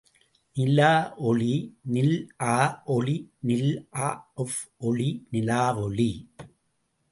நிலா ஒளி நில் ஆ ஒளி நில் ஆ வ் ஒளி நிலாவொளி.